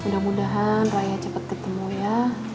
mudah mudahan raya cepat ketemu ya